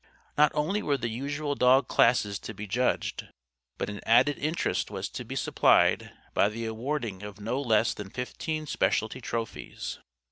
Not only were the usual dog classes to be judged, but an added interest was to be supplied by the awarding of no less than fifteen Specialty Trophies.